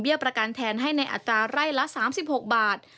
ประกันแทนให้ในอัตราไร่ละ๓๖บาท